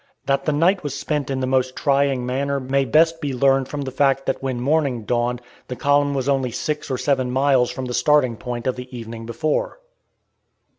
That the night was spent in the most trying manner may best be learned from the fact that when morning dawned the column was only six or seven miles from the starting point of the evening before.